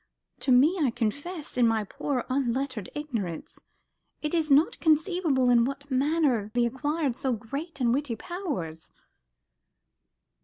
To me, I confess, in my poor unlettered ignorance, it is not conceivable in what manner thee acquired so great and witty powers."